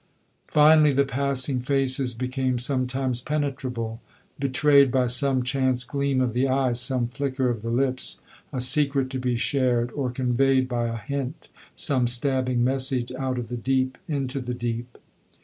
Finally, the passing faces became sometimes penetrable, betrayed by some chance gleam of the eyes, some flicker of the lips, a secret to be shared, or conveyed by a hint some stabbing message out of the deep into the deep.